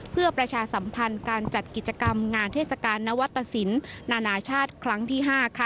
เพื่อประชาสัมพันธ์การจัดกิจกรรมงานเทศกาลนวัตตสินนานาชาติครั้งที่๕ค่ะ